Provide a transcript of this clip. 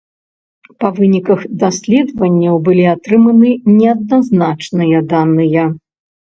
Па выніках даследаванняў былі атрыманы неадназначныя даныя.